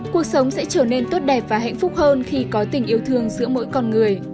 cuộc sống sẽ trở nên tốt đẹp và hạnh phúc hơn khi có tình yêu thương giữa mỗi con người